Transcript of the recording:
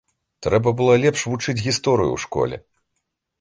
Трэба было лепш вучыць гісторыю ў школе.